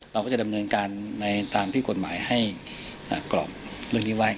เราก็จะดำเนินการในตามที่กฎหมายให้กรอบเรื่องนี้ไว้